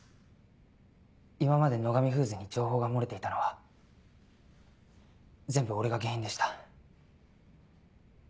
今まで野上フーズに情報が漏れていたのは全部俺が原因でした。